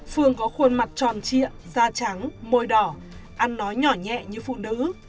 phương có khuôn mặt tròn trịa da trắng môi đỏ ăn nói nhỏ nhẹ như phụ nữ